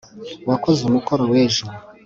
wakoze umukoro w'ejo